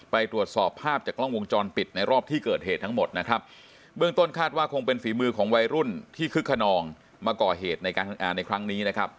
ไปตรวจสอบภาพจากกล้องวงจรปิดในรอบที่เกิดเหตุทั้งหมดนะครับเบื้องต้นคาดว่าคงเป็นฝีมือของวัยรุ่นที่คึกขนองมาก่อเหตุในการทำงานในครั้งนี้นะครับ